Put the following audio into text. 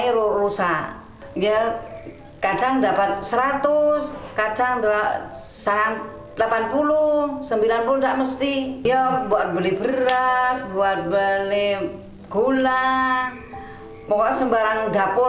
rusak rusak ya kadang dapat seratus kadang delapan puluh sembilan puluh enggak mesti ya buat beli beras buat beli gula pokoknya sembarang dapur